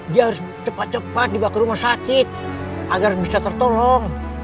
dia harus cepat cepat dibawa ke rumah sakit agar bisa tertolong